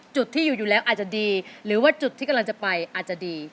จุดที่อยู่อยู่แล้วอาจจะดีหรือว่าจุดที่กำลังจะไปอาจจะดี